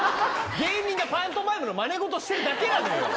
芸人がパントマイムのまね事してるだけなのよ。